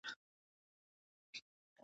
متلونه هنري او شاعرانه رنګ لري